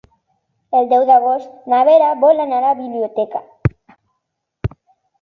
El deu d'agost na Vera vol anar a la biblioteca.